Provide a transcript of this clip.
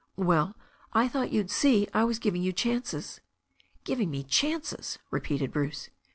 "Well, I thought you'd see I was giving you chances ^ "Giving me chances!" repeated Bruce.